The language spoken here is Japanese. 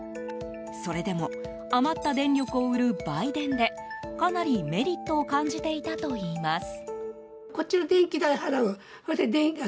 それでも余った電力を売る売電でかなり、メリットを感じていたといいます。